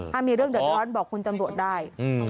ถ้ามีเรื่องเดือดร้อนบอกคุณตำรวจได้